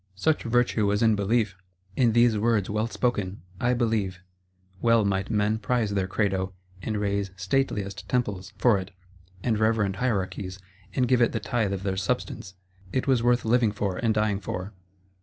Such virtue was in Belief; in these words, well spoken: I believe. Well might men prize their Credo, and raise stateliest Temples for it, and reverend Hierarchies, and give it the tithe of their substance; it was worth living for and dying for.